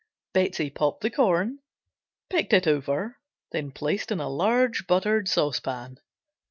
Betsey popped the corn, picked it over, then placed in a large buttered saucepan.